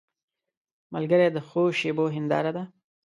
ملګری د ښو شېبو هنداره ده